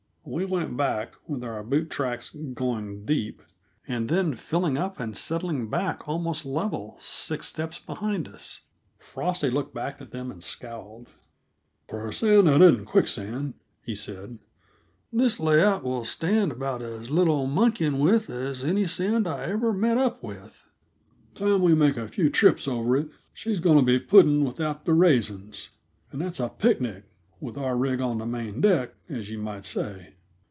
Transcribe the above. We went back, with our boot tracks going deep, and then filling up and settling back almost level six steps behind us. Frosty looked back at them and scowled. "For sand that isn't quicksand," he said, "this layout will stand about as little monkeying with as any sand I ever met up with. Time we make a few trips over it, she's going to be pudding without the raisins. And that's a picnic, with our rig on the main deck, as you might say."